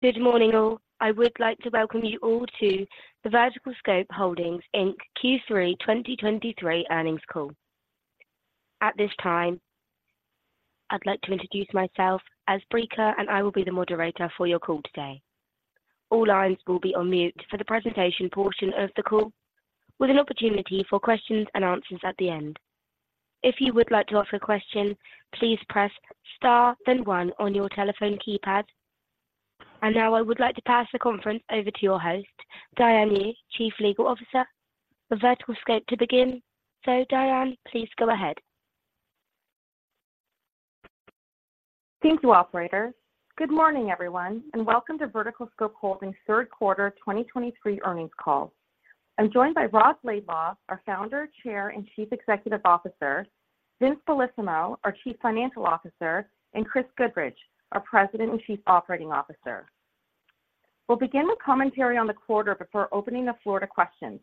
Good morning, all. I would like to welcome you all to the VerticalScope Holdings, Inc., Q3 2023 Earnings Call. At this time, I'd like to introduce myself as Breaker, and I will be the moderator for your call today. All lines will be on mute for the presentation portion of the call, with an opportunity for questions and answers at the end. If you would like to ask a question, please press star, then 1 on your telephone keypad. Now I would like to pass the conference over to your host, Diane Yu, Chief Legal Officer of VerticalScope, to begin. Diane, please go ahead. Thank you, operator. Good morning, everyone, and welcome to VerticalScope Holdings' third quarter 2023 earnings call. I'm joined by Rob Laidlaw, our Founder, Chair, and Chief Executive Officer, Vince Bellissimo, our Chief Financial Officer, and Chris Goodridge, our President and Chief Operating Officer. We'll begin with commentary on the quarter before opening the floor to questions.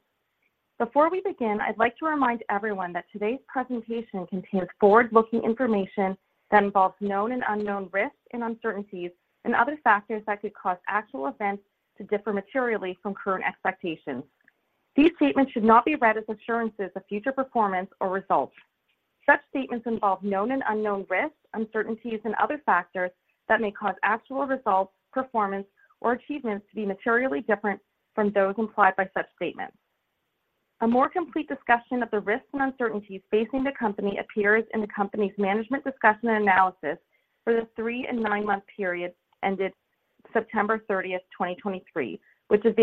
Before we begin, I'd like to remind everyone that today's presentation contains forward-looking information that involves known and unknown risks and uncertainties and other factors that could cause actual events to differ materially from current expectations. These statements should not be read as assurances of future performance or results. Such statements involve known and unknown risks, uncertainties, and other factors that may cause actual results, performance, or achievements to be materially different from those implied by such statements. A more complete discussion of the risks and uncertainties facing the company appears in the company's Management Discussion and Analysis for the three and nine month periods ended September 30, 2023, which is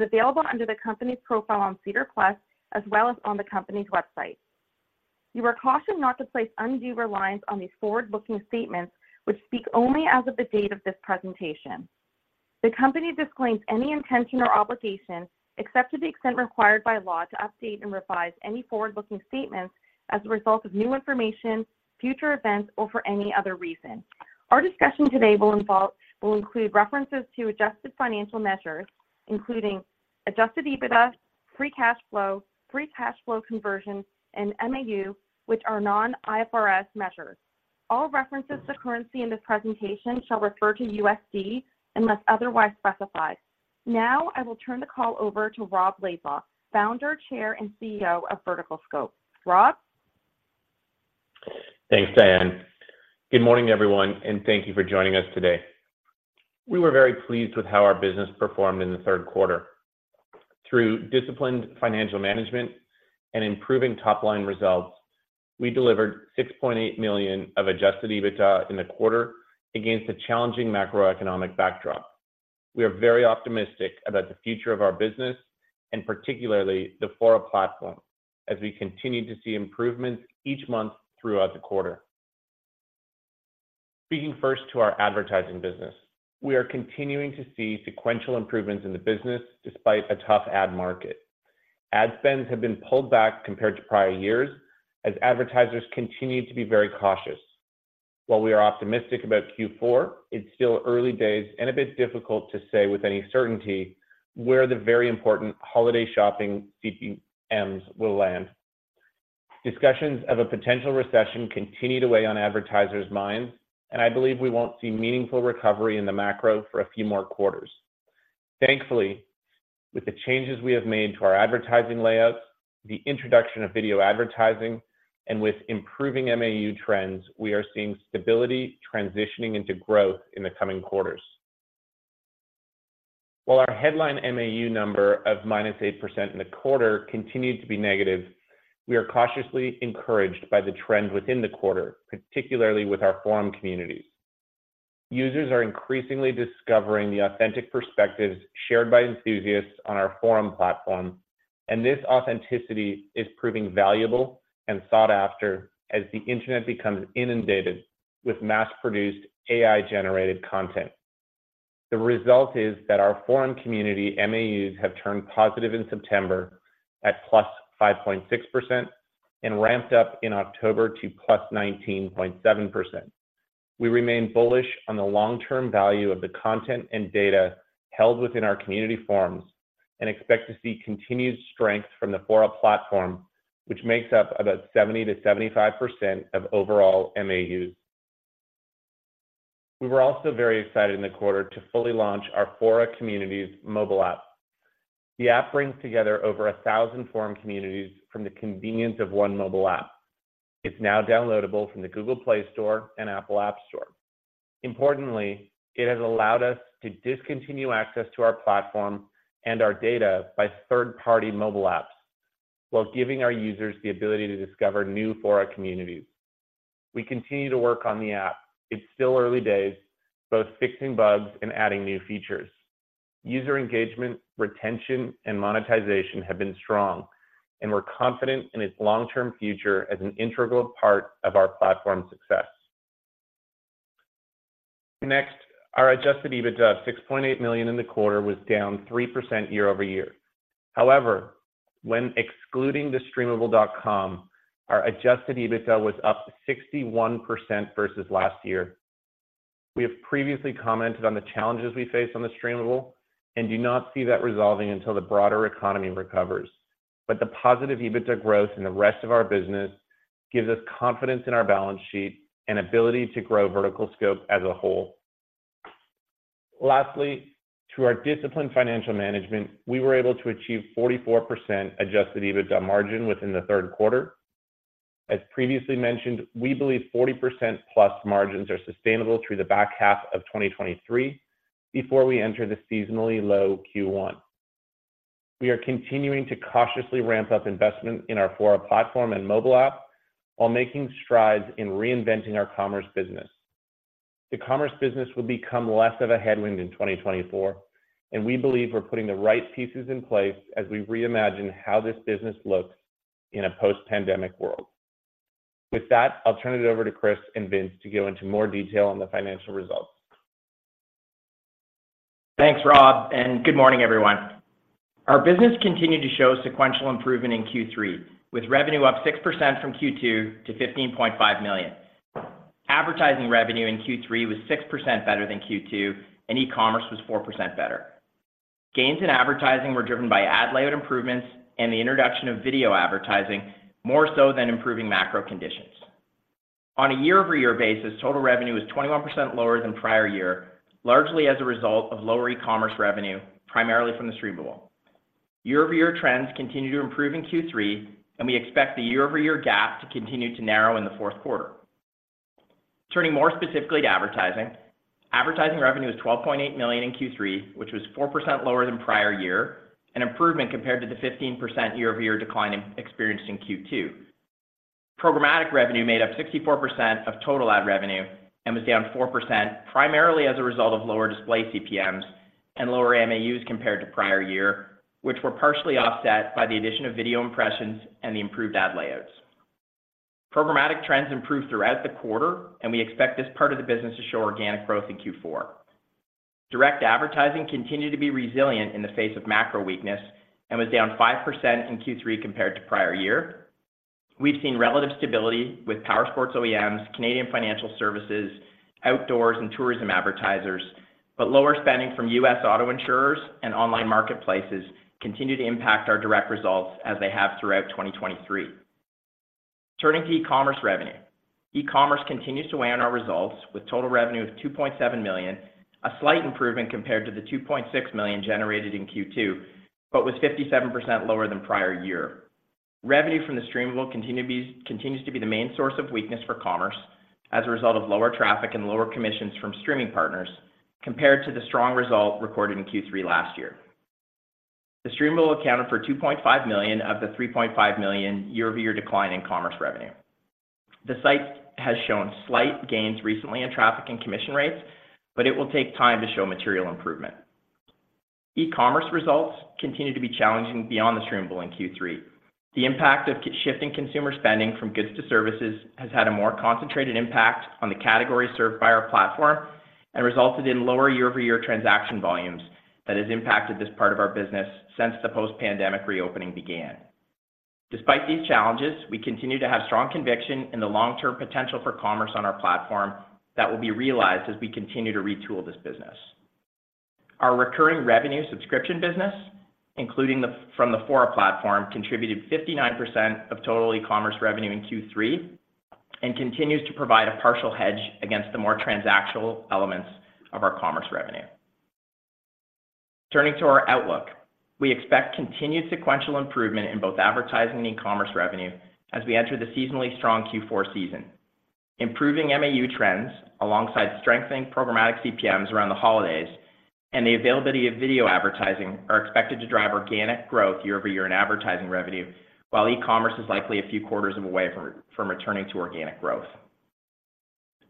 available under the company's profile on SEDAR+, as well as on the company's website. You are cautioned not to place undue reliance on these forward-looking statements, which speak only as of the date of this presentation. The company disclaims any intention or obligation, except to the extent required by law, to update and revise any forward-looking statements as a result of new information, future events, or for any other reason. Our discussion today will include references to adjusted financial measures, including Adjusted EBITDA, free cash flow, free cash flow conversion, and MAU, which are non-IFRS measures. All references to currency in this presentation shall refer to USD unless otherwise specified. Now, I will turn the call over to Rob Laidlaw, Founder, Chair, and CEO of VerticalScope. Rob? Thanks, Diane. Good morning, everyone, and thank you for joining us today. We were very pleased with how our business performed in the third quarter. Through disciplined financial management and improving top-line results, we delivered $6.8 million of Adjusted EBITDA in the quarter against a challenging macroeconomic backdrop. We are very optimistic about the future of our business, and particularly the Fora platform, as we continue to see improvements each month throughout the quarter. Speaking first to our advertising business, we are continuing to see sequential improvements in the business despite a tough ad market. Ad spends have been pulled back compared to prior years as advertisers continue to be very cautious. While we are optimistic about Q4, it's still early days and a bit difficult to say with any certainty where the very important holiday shopping CPMs will land. Discussions of a potential recession continue to weigh on advertisers' minds, and I believe we won't see meaningful recovery in the macro for a few more quarters. Thankfully, with the changes we have made to our advertising layouts, the introduction of video advertising, and with improving MAU trends, we are seeing stability transitioning into growth in the coming quarters. While our headline MAU number of -8% in the quarter continued to be negative, we are cautiously encouraged by the trend within the quarter, particularly with our forum communities. Users are increasingly discovering the authentic perspectives shared by enthusiasts on our forum platform, and this authenticity is proving valuable and sought after as the internet becomes inundated with mass-produced, AI-generated content. The result is that our forum community MAUs have turned positive in September at +5.6% and ramped up in October to +19.7%. We remain bullish on the long-term value of the content and data held within our community forums and expect to see continued strength from the Fora platform, which makes up about 70%-75% of overall MAUs. We were also very excited in the quarter to fully launch our Fora Communities mobile app. The app brings together over 1,000 forum communities from the convenience of one mobile app. It's now downloadable from the Google Play Store and Apple App Store. Importantly, it has allowed us to discontinue access to our platform and our data by third-party mobile apps while giving our users the ability to discover new Fora communities. We continue to work on the app. It's still early days, both fixing bugs and adding new features. User engagement, retention, and monetization have been strong, and we're confident in its long-term future as an integral part of our platform success. Next, our Adjusted EBITDA, $6.8 million in the quarter, was down 3% year-over-year. However, when excluding the Streamable.com, our Adjusted EBITDA was up 61% versus last year. We have previously commented on the challenges we face on the Streamable and do not see that resolving until the broader economy recovers. But the positive EBITDA growth in the rest of our business gives us confidence in our balance sheet and ability to grow VerticalScope as a whole. Lastly, through our disciplined financial management, we were able to achieve 44% Adjusted EBITDA margin within the third quarter. As previously mentioned, we believe 40%+ margins are sustainable through the back half of 2023, before we enter the seasonally low Q1. We are continuing to cautiously ramp up investment in our Fora platform and mobile app, while making strides in reinventing our commerce business. The commerce business will become less of a headwind in 2024, and we believe we're putting the right pieces in place as we reimagine how this business looks in a post-pandemic world. With that, I'll turn it over to Chris and Vince to go into more detail on the financial results. Thanks, Rob, and good morning, everyone. Our business continued to show sequential improvement in Q3, with revenue up 6% from Q2 to $15.5 million. Advertising revenue in Q3 was 6% better than Q2, and e-commerce was 4% better. Gains in advertising were driven by ad layout improvements and the introduction of video advertising, more so than improving macro conditions. On a year-over-year basis, total revenue is 21% lower than prior year, largely as a result of lower e-commerce revenue, primarily from The Streamable. Year-over-year trends continue to improve in Q3, and we expect the year-over-year gap to continue to narrow in the fourth quarter. Turning more specifically to advertising, advertising revenue is $12.8 million in Q3, which was 4% lower than prior year, an improvement compared to the 15% year-over-year decline experienced in Q2. Programmatic revenue made up 64% of total ad revenue and was down 4%, primarily as a result of lower display CPMs and lower MAUs compared to prior year, which were partially offset by the addition of video impressions and the improved ad layouts. Programmatic trends improved throughout the quarter, and we expect this part of the business to show organic growth in Q4. Direct advertising continued to be resilient in the face of macro weakness and was down 5% in Q3 compared to prior year. We've seen relative stability with power sports OEMs, Canadian financial services, outdoors, and tourism advertisers, but lower spending from U.S. auto insurers and online marketplaces continue to impact our direct results as they have throughout 2023. Turning to e-commerce revenue. E-commerce continues to weigh on our results, with total revenue of $2.7 million, a slight improvement compared to the $2.6 million generated in Q2, but was 57% lower than prior year. Revenue from The Streamable continues to be the main source of weakness for commerce as a result of lower traffic and lower commissions from streaming partners compared to the strong result recorded in Q3 last year. The Streamable accounted for $2.5 million of the $3.5 million year-over-year decline in commerce revenue. The site has shown slight gains recently in traffic and commission rates, but it will take time to show material improvement. E-commerce results continue to be challenging beyond The Streamable in Q3. The impact of key-shifting consumer spending from goods to services has had a more concentrated impact on the category served by our platform and resulted in lower year-over-year transaction volumes that has impacted this part of our business since the post-pandemic reopening began. Despite these challenges, we continue to have strong conviction in the long-term potential for commerce on our platform that will be realized as we continue to retool this business. Our recurring revenue subscription business, including from the Fora platform, contributed 59% of total e-commerce revenue in Q3 and continues to provide a partial hedge against the more transactional elements of our commerce revenue. Turning to our outlook, we expect continued sequential improvement in both advertising and e-commerce revenue as we enter the seasonally strong Q4 season. Improving MAU trends, alongside strengthening programmatic CPMs around the holidays and the availability of video advertising, are expected to drive organic growth year over year in advertising revenue, while e-commerce is likely a few quarters away from returning to organic growth.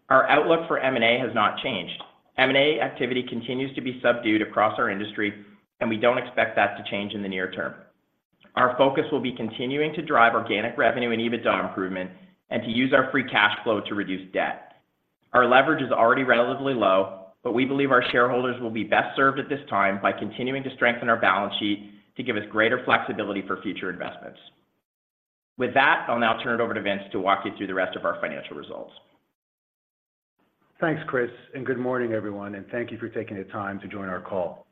Our outlook for M&A has not changed. M&A activity continues to be subdued across our industry, and we don't expect that to change in the near term. Our focus will be continuing to drive organic revenue and EBITDA improvement and to use our free cash flow to reduce debt. Our leverage is already relatively low, but we believe our shareholders will be best served at this time by continuing to strengthen our balance sheet to give us greater flexibility for future investments. With that, I'll now turn it over to Vince to walk you through the rest of our financial results. Thanks, Chris, and good morning, everyone, and thank you for taking the time to join our call.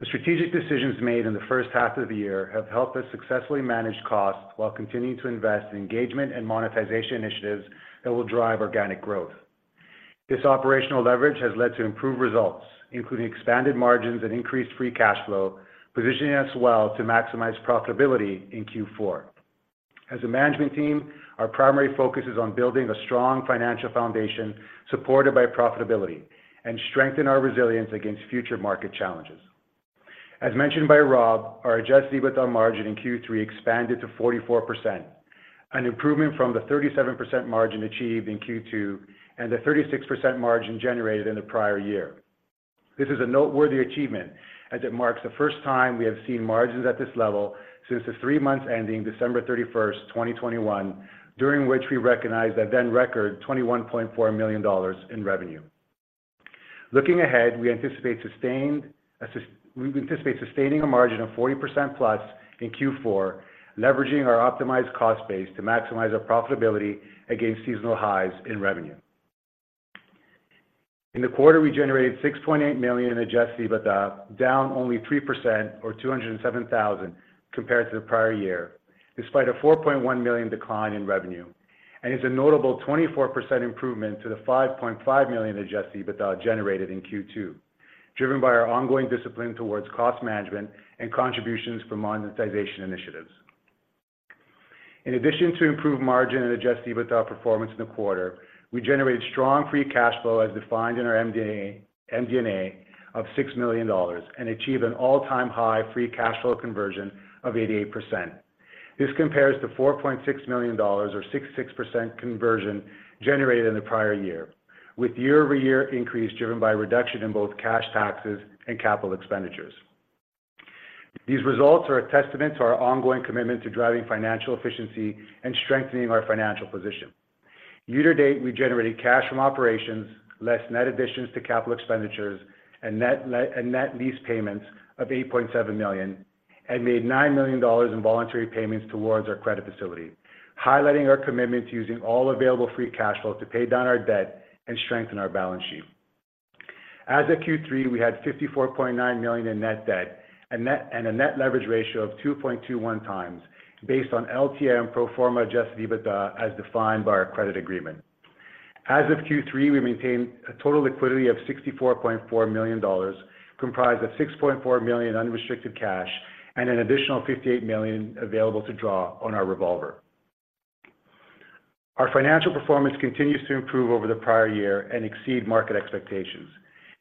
The strategic decisions made in the first half of the year have helped us successfully manage costs while continuing to invest in engagement and monetization initiatives that will drive organic growth. This operational leverage has led to improved results, including expanded margins and increased Free Cash Flow, positioning us well to maximize profitability in Q4. As a management team, our primary focus is on building a strong financial foundation supported by profitability and strengthen our resilience against future market challenges. As mentioned by Rob, our Adjusted EBITDA margin in Q3 expanded to 44%, an improvement from the 37% margin achieved in Q2 and the 36% margin generated in the prior year. This is a noteworthy achievement, as it marks the first time we have seen margins at this level since the three months ending December 31, 2021, during which we recognized a then record $21.4 million in revenue. Looking ahead, we anticipate sustaining a margin of 40%+ in Q4, leveraging our optimized cost base to maximize our profitability against seasonal highs in revenue. In the quarter, we generated $6.8 million in Adjusted EBITDA, down only 3% or $207,000 compared to the prior year, despite a $4.1 million decline in revenue. And it's a notable 24% improvement to the $5.5 million Adjusted EBITDA generated in Q2, driven by our ongoing discipline towards cost management and contributions from monetization initiatives. In addition to improved margin and Adjusted EBITDA performance in the quarter, we generated strong free cash flow as defined in our MD&A of $6 million, and achieved an all-time high free cash flow conversion of 88%. This compares to $4.6 million or 66% conversion generated in the prior year, with year-over-year increase driven by a reduction in both cash taxes and capital expenditures. These results are a testament to our ongoing commitment to driving financial efficiency and strengthening our financial position. Year to date, we generated cash from operations, less net additions to capital expenditures, and net lease payments of $8.7 million, and made $9 million in voluntary payments towards our credit facility, highlighting our commitment to using all available free cash flow to pay down our debt and strengthen our balance sheet. As of Q3, we had $54.9 million in net debt, and a Net Leverage Ratio of 2.21x based on LTM pro forma Adjusted EBITDA as defined by our credit agreement. As of Q3, we maintained a total liquidity of $64.4 million, comprised of $6.4 million unrestricted cash and an additional $58 million available to draw on our revolver. Our financial performance continues to improve over the prior year and exceed market expectations.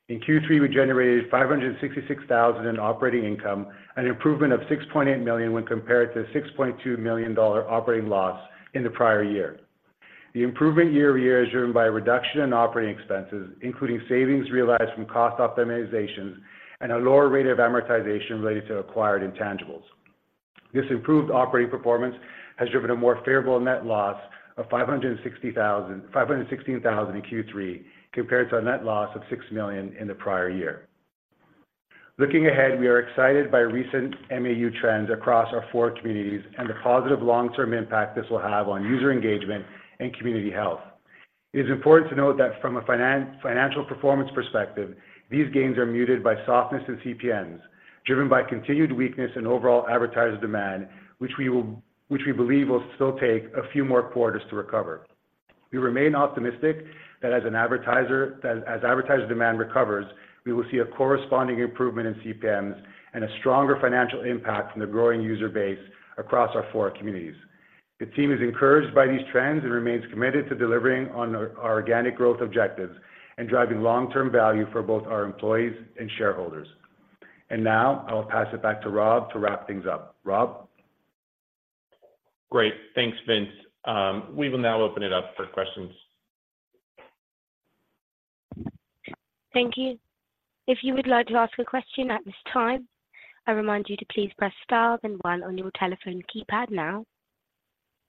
In Q3, we generated $566,000 in operating income, an improvement of $6.8 million when compared to the $6.2 million operating loss in the prior year. The improvement year-over-year is driven by a reduction in operating expenses, including savings realized from cost optimizations and a lower rate of amortization related to acquired intangibles. This improved operating performance has driven a more favorable net loss of $516,000 in Q3, compared to a net loss of $6 million in the prior year. Looking ahead, we are excited by recent MAU trends across our Fora communities and the positive long-term impact this will have on user engagement and community health. It is important to note that from a financial performance perspective, these gains are muted by softness in CPMs, driven by continued weakness in overall advertiser demand, which we believe will still take a few more quarters to recover. We remain optimistic that as advertiser demand recovers, we will see a corresponding improvement in CPMs and a stronger financial impact from the growing user base across our Fora communities. The team is encouraged by these trends and remains committed to delivering on our, our organic growth objectives and driving long-term value for both our employees and shareholders. Now I will pass it back to Rob to wrap things up. Rob? Great. Thanks, Vince. We will now open it up for questions. Thank you. If you would like to ask a question at this time, I remind you to please press star then one on your telephone keypad now.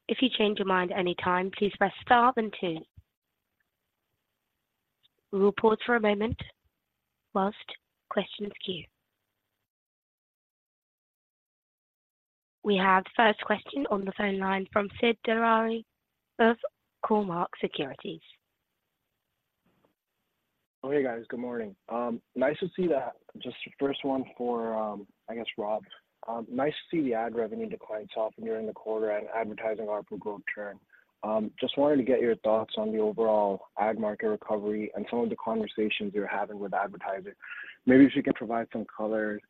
If you change your mind at any time, please press star then two. We will pause for a moment whilst questions queue. We have first question on the phone line from Sid Dilawari of Cormark Securities. Oh, hey, guys. Good morning. Nice to see that. Just the first one for, I guess, Rob. Nice to see the ad revenue decline soften during the quarter and advertising ARPU growth turn. Just wanted to get your thoughts on the overall ad market recovery and some of the conversations you're having with advertisers. Maybe if you can provide some color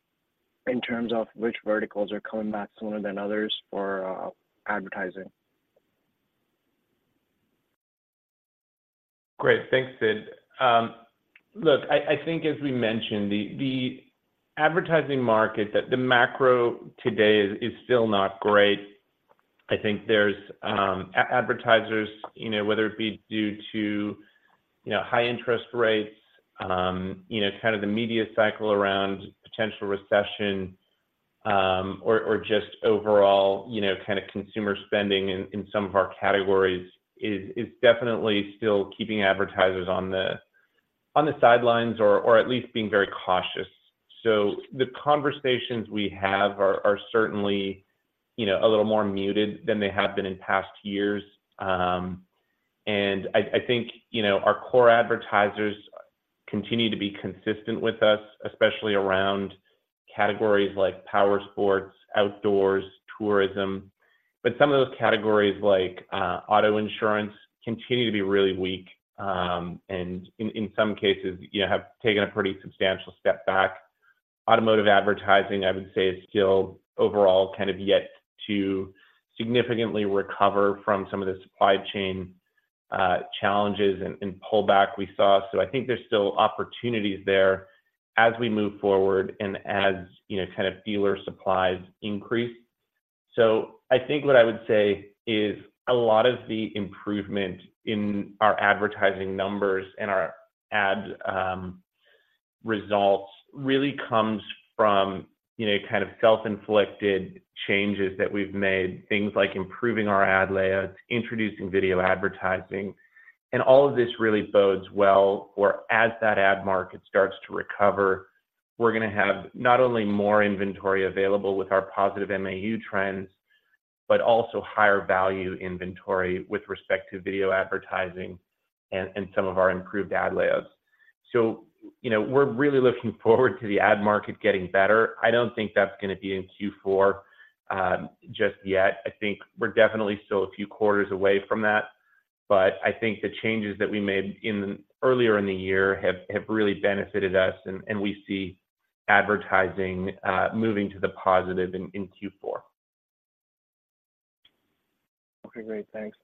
in terms of which verticals are coming back sooner than others for advertising. Great. Thanks, Sid. Look, I think as we mentioned, the advertising market, the macro today is still not great. I think there's advertisers, you know, whether it be due to, you know, high interest rates, you know, kind of the media cycle around potential recession, or just overall, you know, kind of consumer spending in some of our categories is definitely still keeping advertisers on the sidelines or at least being very cautious. So the conversations we have are certainly, you know, a little more muted than they have been in past years. And I think, you know, our core advertisers continue to be consistent with us, especially around categories like power sports, outdoors, tourism. But some of those categories, like auto insurance, continue to be really weak, and in some cases, you know, have taken a pretty substantial step back. Automotive advertising, I would say, is still overall kind of yet to significantly recover from some of the supply chain challenges and pullback we saw. So I think there's still opportunities there as we move forward and as you know, kind of dealer supplies increase. So I think what I would say is a lot of the improvement in our advertising numbers and our ad results really comes from you know, kind of self-inflicted changes that we've made, things like improving our ad layouts, introducing video advertising. All of this really bodes well, whereas that ad market starts to recover, we're gonna have not only more inventory available with our positive MAU trends, but also higher value inventory with respect to video advertising and some of our improved ad layouts. So, you know, we're really looking forward to the ad market getting better. I don't think that's gonna be in Q4 just yet. I think we're definitely still a few quarters away from that. But I think the changes that we made earlier in the year have really benefited us, and we see advertising moving to the positive in Q4. Okay, great. Thanks.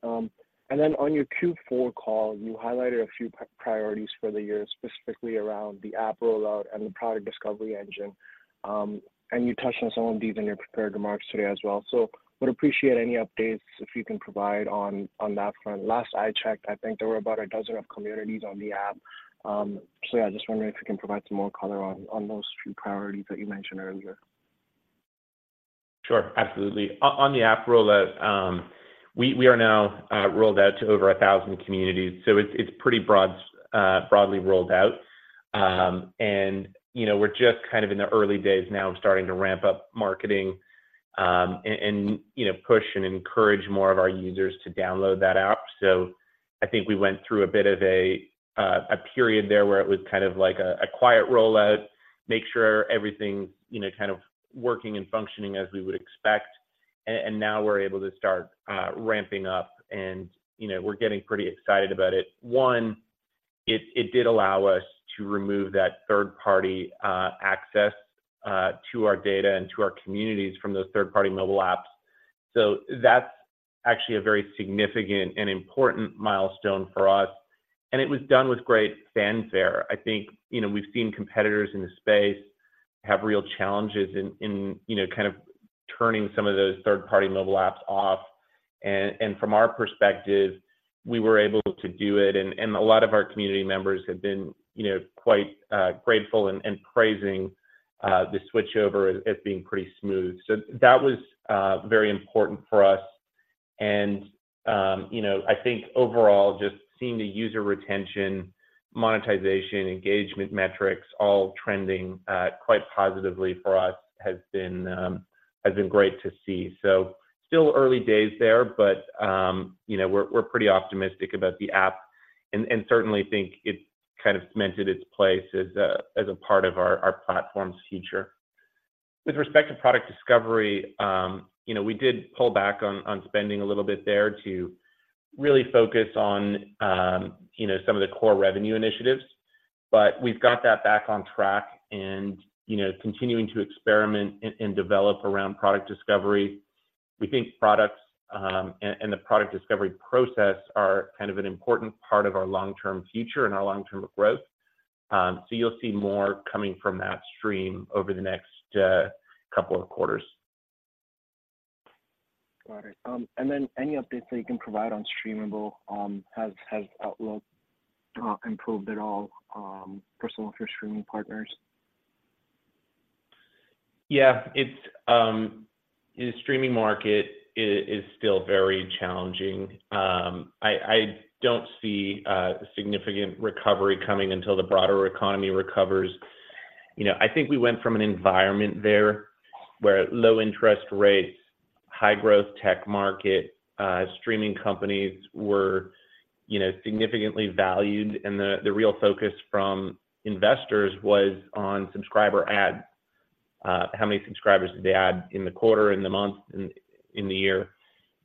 And then on your Q4 call, you highlighted a few priorities for the year, specifically around the app rollout and the product discovery engine. And you touched on some of these in your prepared remarks today as well. So would appreciate any updates, if you can provide on that front. Last I checked, I think there were about a dozen communities on the app. So yeah, I just wondering if you can provide some more color on those two priorities that you mentioned earlier. Sure, absolutely. On the app rollout, we are now rolled out to over 1,000 communities, so it's pretty broad, broadly rolled out. And, you know, we're just kind of in the early days now of starting to ramp up marketing, and, you know, push and encourage more of our users to download that app. So I think we went through a bit of a period there, where it was kind of like a quiet rollout, make sure everything, you know, kind of working and functioning as we would expect. And now we're able to start ramping up, and, you know, we're getting pretty excited about it. One, it did allow us to remove that third-party access to our data and to our communities from those third-party mobile apps. So that's actually a very significant and important milestone for us, and it was done with great fanfare. I think, you know, we've seen competitors in the space have real challenges in you know, kind of turning some of those third-party mobile apps off. And from our perspective, we were able to do it, and a lot of our community members have been, you know, quite grateful and praising the switchover as being pretty smooth. So that was very important for us. And, you know, I think overall, just seeing the user retention, monetization, engagement metrics, all trending quite positively for us has been great to see. So still early days there, but, you know, we're pretty optimistic about the app and certainly think it kind of cemented its place as a part of our platform's future. With respect to product discovery, you know, we did pull back on spending a little bit there to really focus on, you know, some of the core revenue initiatives. But we've got that back on track and, you know, continuing to experiment and develop around product discovery. We think products and the product discovery process are kind of an important part of our long-term future and our long-term growth. So you'll see more coming from that stream over the next couple of quarters. Got it. And then any updates that you can provide on Streamable? Has outlook improved at all, personally for streaming partners? Yeah. The streaming market is still very challenging. I don't see significant recovery coming until the broader economy recovers. You know, I think we went from an environment there where low interest rates, high growth tech market, streaming companies were, you know, significantly valued, and the real focus from investors was on subscriber adds. How many subscribers did they add in the quarter, in the month, in the year?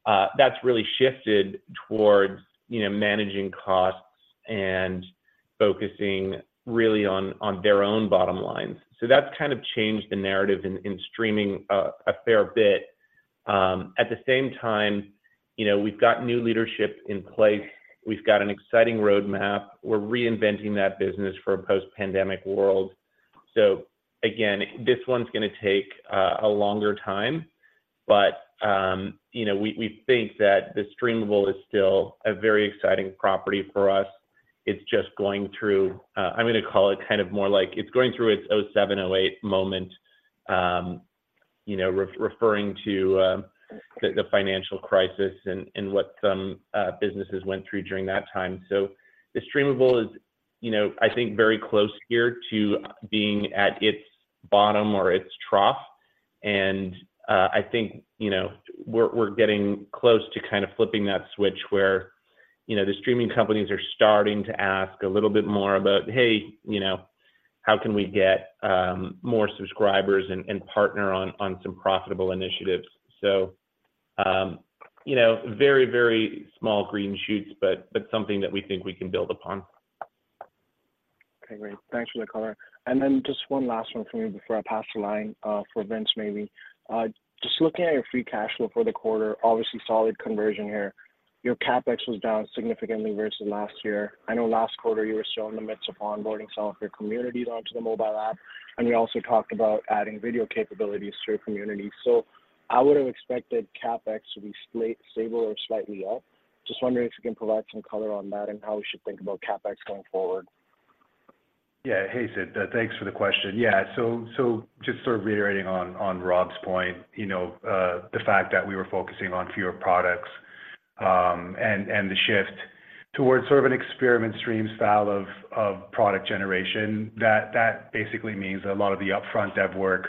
That's really shifted towards, you know, managing costs and focusing really on their own bottom lines. So that's kind of changed the narrative in streaming, a fair bit. At the same time, you know, we've got new leadership in place. We've got an exciting roadmap. We're reinventing that business for a post-pandemic world. So again, this one's gonna take a longer time, but, you know, we, we think that the Streamable is still a very exciting property for us. It's just going through, I'm gonna call it kind of more like it's going through its 2007, 2008 moment, you know, referring to the, the financial crisis and, and what some businesses went through during that time. So the Streamable is, you know, I think, very close here to being at its bottom or its trough. I think, you know, we're getting close to kind of flipping that switch where, you know, the streaming companies are starting to ask a little bit more about, "Hey, you know, how can we get more subscribers and partner on some profitable initiatives?" So, you know, very, very small green shoots, but something that we think we can build upon. Okay, great. Thanks for the color. And then just one last one from me before I pass the line for Vince, maybe. Just looking at your free cash flow for the quarter, obviously solid conversion here. Your CapEx was down significantly versus last year. I know last quarter you were still in the midst of onboarding some of your communities onto the mobile app, and you also talked about adding video capabilities through your community. So I would have expected CapEx to be slightly stable or slightly up. Just wondering if you can provide some color on that and how we should think about CapEx going forward. Yeah. Hey, Sid, thanks for the question. Yeah, so just sort of reiterating on Rob's point, you know, the fact that we were focusing on fewer products, and the shift towards sort of an experiment stream style of product generation, that basically means a lot of the upfront dev work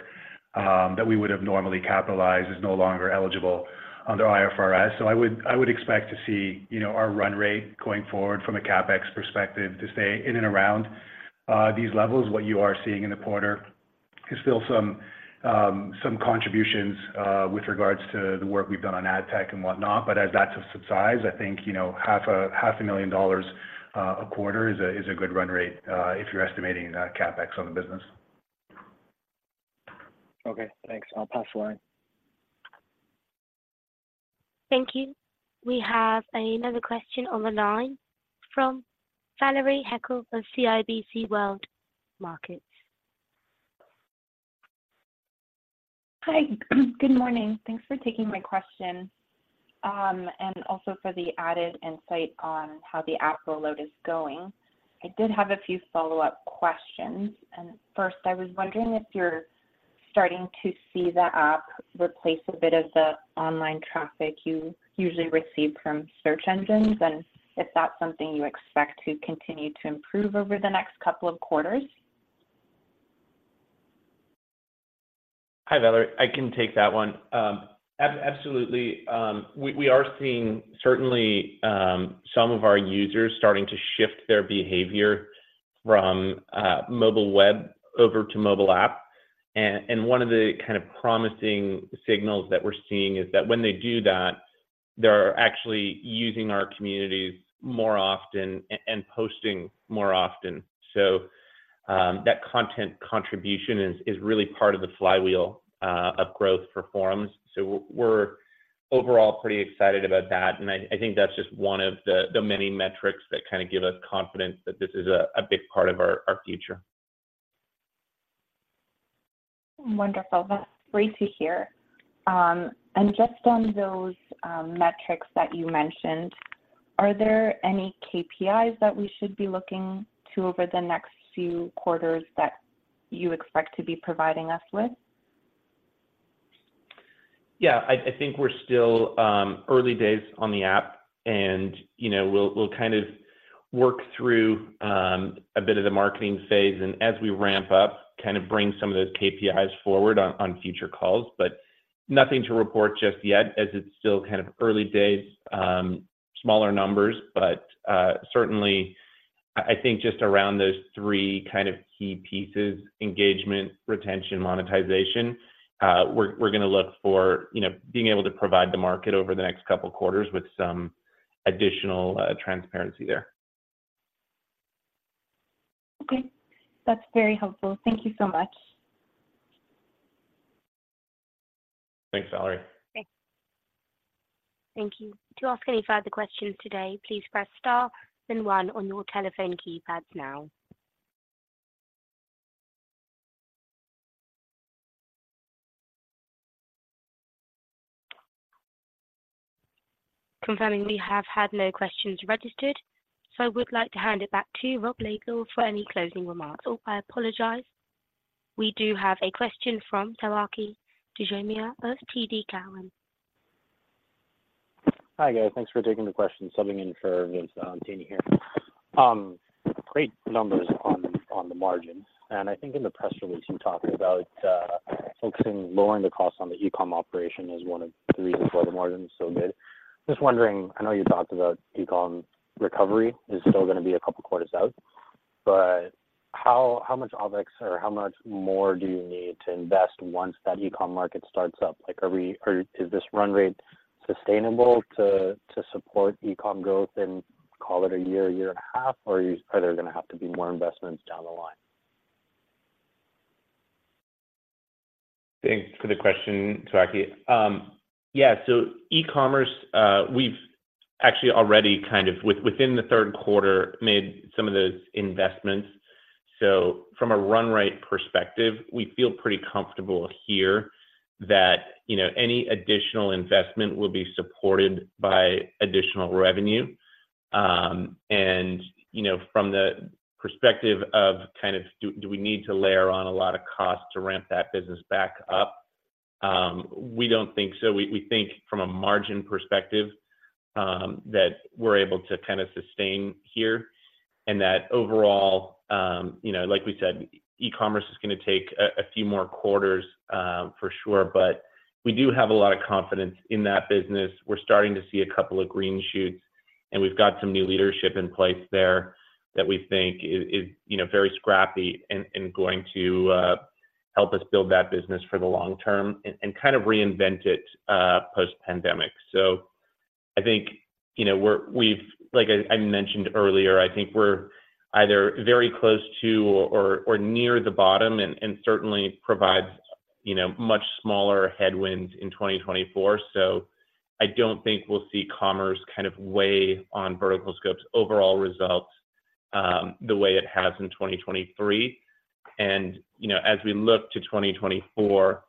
that we would have normally capitalized is no longer eligible under IFRS. So I would expect to see, you know, our run rate going forward from a CapEx perspective to stay in and around these levels. What you are seeing in the quarter is still some contributions with regards to the work we've done on ad tech and whatnot, but as that subsides, I think, you know, $500,000 a quarter is a good run rate if you're estimating CapEx on the business. Okay, thanks. I'll pass the line. Thank you. We have another question on the line from Valery Heckel of CIBC World Markets. Hi. Good morning. Thanks for taking my question, and also for the added insight on how the app rollout is going. I did have a few follow-up questions, and first, I was wondering if you're starting to see the app replace a bit of the online traffic you usually receive from search engines, and if that's something you expect to continue to improve over the next couple of quarters? Hi, Valery. I can take that one. Absolutely, we are seeing certainly some of our users starting to shift their behavior from mobile web over to mobile app. And one of the kind of promising signals that we're seeing is that when they do that, they're actually using our communities more often and posting more often. So that content contribution is really part of the flywheel of growth for Fora. So we're overall pretty excited about that, and I think that's just one of the many metrics that kinda give us confidence that this is a big part of our future. Wonderful. That's great to hear. And just on those metrics that you mentioned, are there any KPIs that we should be looking to over the next few quarters that you expect to be providing us with? Yeah, I think we're still early days on the app, and, you know, we'll kind of work through a bit of the marketing phase, and as we ramp up, kind of bring some of those KPIs forward on future calls. But nothing to report just yet, as it's still kind of early days, smaller numbers, but certainly I think just around those three kind of key pieces: engagement, retention, monetization, we're gonna look for, you know, being able to provide the market over the next couple quarters with some additional transparency there. Okay. That's very helpful. Thank you so much. Thanks, Valery. Thanks. Thank you. To ask any further questions today, please press Star then 1 on your telephone keypads now. Confirming we have had no questions registered, so I would like to hand it back to Rob Laidlaw for any closing remarks. Oh, I apologize. We do have a question from Tawaki Dujemia of TD Cowen. Hi, guys. Thanks for taking the question. Subbing in for Vince here. Great numbers on the margins, and I think in the press release, you talked about focusing lowering the cost on the e-com operation as one of the reasons why the margin is so good. Just wondering, I know you talked about e-com recovery is still gonna be a couple quarters out, but how much OpEx or how much more do you need to invest once that e-com market starts up? Like, are we or is this run rate sustainable to support e-com growth in, call it a year, a year and a half? Or are there gonna have to be more investments down the line? Thanks for the question, Tawaki. Yeah, so e-commerce, we've actually already kind of, within the third quarter, made some of those investments. So from a run rate perspective, we feel pretty comfortable here that, you know, any additional investment will be supported by additional revenue. And, you know, from the perspective of kind of do we need to layer on a lot of cost to ramp that business back up? We don't think so. We think from a margin perspective, that we're able to kinda sustain here, and that overall, you know, like we said, e-commerce is gonna take a few more quarters, for sure, but we do have a lot of confidence in that business. We're starting to see a couple of green shoots, and we've got some new leadership in place there that we think is, you know, very scrappy and going to help us build that business for the long term and kind of reinvent it post-pandemic. So I think, you know, we've—like I mentioned earlier—I think we're either very close to or near the bottom and certainly provides, you know, much smaller headwinds in 2024. So I don't think we'll see commerce kind of weigh on VerticalScope's overall results the way it has in 2023. And, you know, as we look to 2024,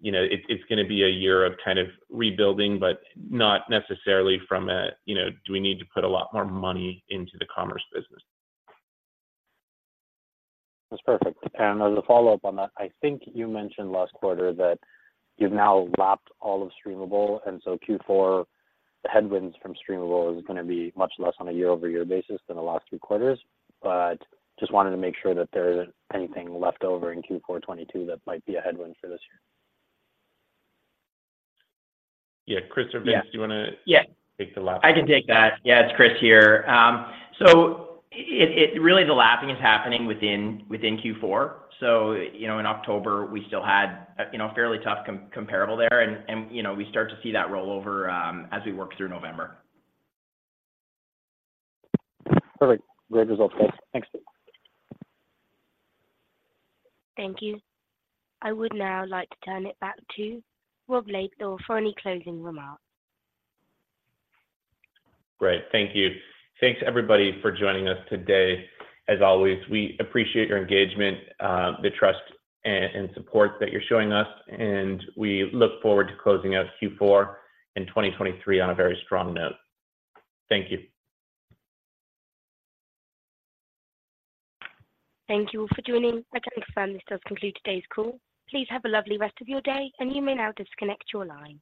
you know, it's gonna be a year of kind of rebuilding, but not necessarily from a, you know, do we need to put a lot more money into the commerce business? That's perfect. As a follow-up on that, I think you mentioned last quarter that you've now lapped all of The Streamable, and so Q4, the headwinds from The Streamable is gonna be much less on a year-over-year basis than the last three quarters. But just wanted to make sure that there isn't anything left over in Q4 2022 that might be a headwind for this year. Yeah. Chris or Vince, do you wanna take the lap? I can take that. Yeah, it's Chris here. So it really, the lapping is happening within Q4. So, you know, in October, we still had a, you know, fairly tough comparable there, and you know, we start to see that roll over as we work through November. Perfect. Great results, guys. Thanks. Thank you. I would now like to turn it back to Rob Laidlaw for any closing remarks. Great. Thank you. Thanks, everybody, for joining us today. As always, we appreciate your engagement, the trust, and support that you're showing us, and we look forward to closing out Q4 in 2023 on a very strong note. Thank you. Thank you all for joining. I confirm this does conclude today's call. Please have a lovely rest of your day, and you may now disconnect your line.